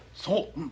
そう。